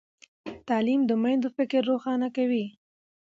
تعلیم د میندو فکر روښانه کوي۔